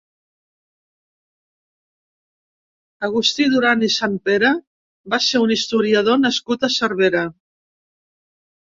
Agustí Duran i Sanpere va ser un historiador nascut a Cervera.